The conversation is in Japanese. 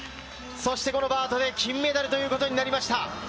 このバートで金メダルということになりました。